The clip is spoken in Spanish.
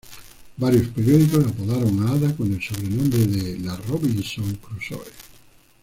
Varios periódicos apodaron a Ada con el sobrenombre de "la Robinson Crusoe".